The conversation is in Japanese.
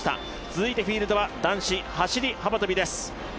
続いてフィールドは男子走り幅跳びです。